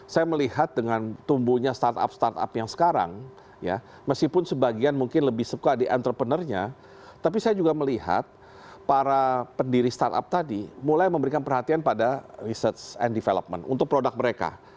saya melihat dengan tumbuhnya startup startup yang sekarang ya meskipun sebagian mungkin lebih suka di entrepreneurnya tapi saya juga melihat para pendiri startup tadi mulai memberikan perhatian pada research and development untuk produk mereka